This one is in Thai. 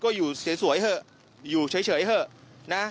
ก็อยู่เสียสวยเฉยเฉยเฉย